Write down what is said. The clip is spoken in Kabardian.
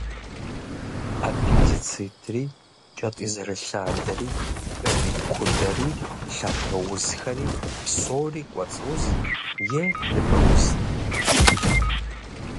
Аппендицитри, кӏэтӏий зэрылъадэри, кӏэтӏий кудэри, лъатэ узхэри псори «кӏуэцӏ узт» е «ныбэ узт».